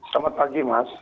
selamat pagi mas